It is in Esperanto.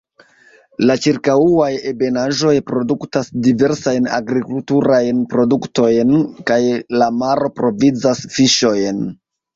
La ĉirkaŭaj ebenaĵoj produktas diversajn agrikulturajn produktojn, kaj la maro provizas fiŝojn.